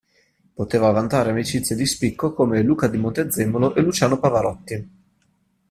Poteva vantare amicizie di spicco come Luca di Montezemolo e Luciano Pavarotti.